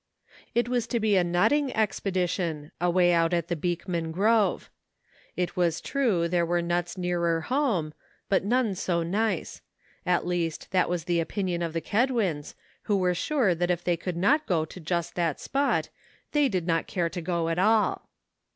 It was to be a nutting expedition away out at the Beekman Grove. It was true there were nuts nearer home, but none so nice; at least that was the opinion of the Kedwins, who were sure that if they could not go to just that spot they did not care to go at all.